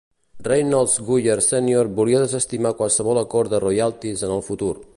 Reynolds Guyer Senior volia desestimar qualsevol acord de royalties en el futur.